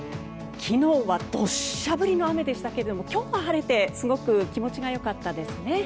昨日は土砂降りの雨でしたけど今日は晴れてすごく気持ちがよかったですね。